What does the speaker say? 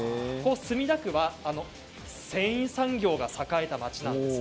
墨田区は繊維産業で栄えた街なんです。